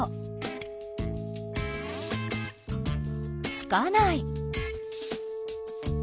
つかない。